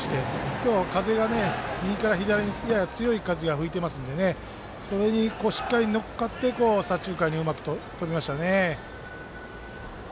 今日、風が右から左にやや強い風が吹いていますのでそれにしっかり乗っかって左中間にうまく飛びましたね。